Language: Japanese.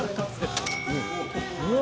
・うわ。